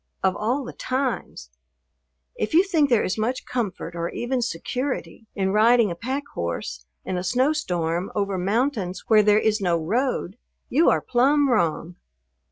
Of all the times! If you think there is much comfort, or even security, in riding a pack horse in a snowstorm over mountains where there is no road, you are plumb wrong.